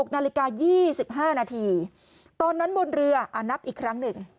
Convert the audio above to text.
๖นาฬิกา๒๕นาทีตอนนั้นบนเรือนับอีกครั้งหนึ่ง